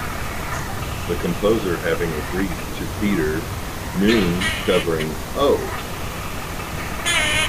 The composer having agreed to Peter Noone covering Oh!